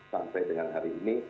sampai dengan hari ini